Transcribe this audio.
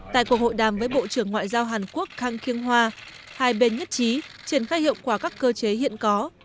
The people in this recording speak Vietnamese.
tại cuộc hội đàm với bộ trưởng ngoại giao hàn quốc kang kyung hwa hai bên nhất trí triển khai hiệu quả các cơ chế hiện có